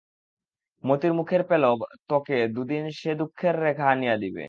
মতির মুখের পেলব ত্বকে দুদিনে সে দুঃখের রেখা আনিয়া দিবে।